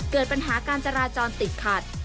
เกิดปัญหาการจราจรติดขัด